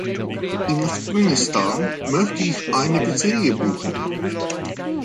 In Afghanistan möchte ich eine Pizzeria buchen.